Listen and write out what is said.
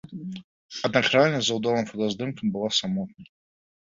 Аднак рэальнасць за ўдалым фотаздымкам была самотнай.